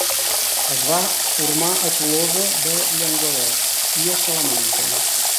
Es va formar a Tolosa de Llenguadoc i a Salamanca.